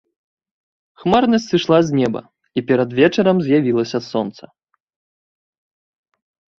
Хмарнасць сышла з неба, і перад вечарам з'явілася сонца.